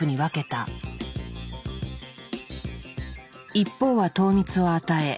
一方は糖蜜を与え